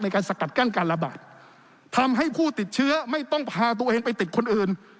สกัดกั้นการระบาดทำให้ผู้ติดเชื้อไม่ต้องพาตัวเองไปติดคนอื่น